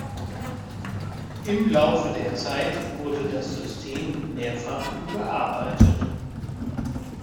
Im Laufe der Zeit wurde das System mehrfach überarbeitet.